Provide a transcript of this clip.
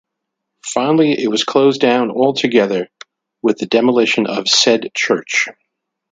Finally it was closed down together with the demolition of said church.